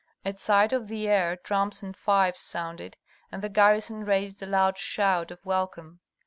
At sight of the heir, drums and fifes sounded, and the garrison raised a loud shout of welcome.